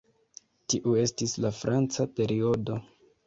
Tiu estis la "franca periodo".